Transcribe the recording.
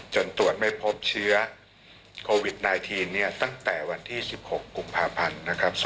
จนตรวจไม่พบเชื้อโควิด๑๙ตั้งแต่วันที่๑๖กุมภาพันธ์